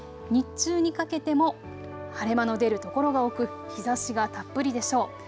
日中にかけても晴れ間の出る所が多く日ざしがたっぷりでしょう。